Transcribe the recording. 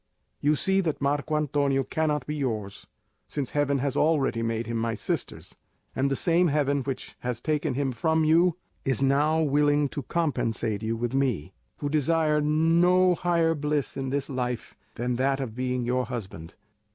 You see that Marco Antonio cannot be yours, since Heaven has already made him my sister's; and the same Heaven which has taken him from you is now willing to compensate you with me, who desire no higher bliss in this life than that of being your husband.